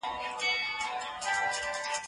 زه اوس کتابتون ته راځم!.